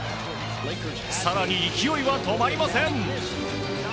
更に勢いは止まりません。